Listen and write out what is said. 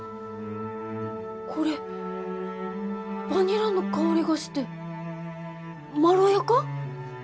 これバニラの香りがしてまろやか？